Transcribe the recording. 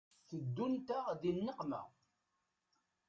Teddunt-aɣ di nneqma.